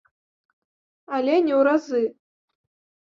Але не ў разы.